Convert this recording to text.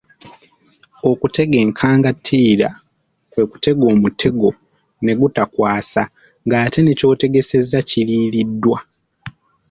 Okutega enkangantira kwe kutega omutego ne gutakwasa ng'ate ne ky'otegesezza kiriiriddwa.